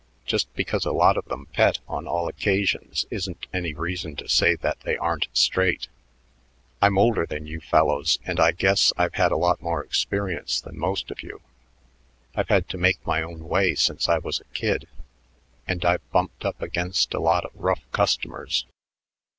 Just because a lot of them pet on all occasions isn't any reason to say that they aren't straight. I'm older than you fellows, and I guess I've had a lot more experience than most of you. I've had to make my own way since I was a kid, and I've bumped up against a lot of rough customers.